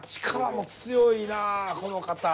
力も強いなあこの方。